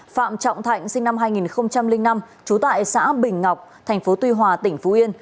phạm trọng thạnh sinh năm hai nghìn năm trú tại xã bình ngọc tp tuy hòa tỉnh phú yên